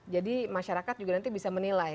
jadi masyarakat juga nanti bisa menilai